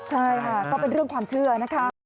ใช่ค่ะก็เป็นเรื่องความเชื่อนะคะ